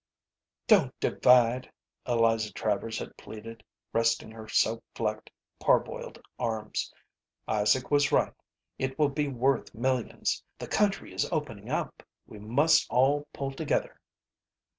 "Don't divide," Eliza Travers had pleaded, resting her soap flecked, parboiled arms. "Isaac was right. It will be worth millions. The country is opening up. We must all pull together."